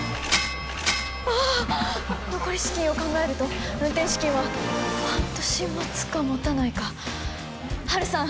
ああっ残り資金を考えると運転資金は半年持つか持たないかハルさん